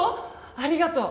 ありがとう！